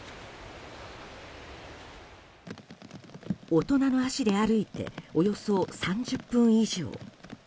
大人の足で歩いておよそ３０分以上。